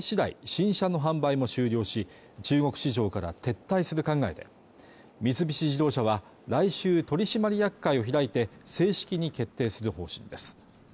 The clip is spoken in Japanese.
新車の販売も終了し中国市場から撤退する考えで三菱自動車は来週取締役会を開いて正式に決定する方針です